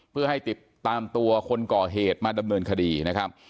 เพื่อให้ติดตามตัวคนก่อเหตุมาดำเนินคดีนะครับ